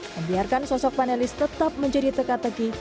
membiarkan sosok panelis tetap menjadi teka teki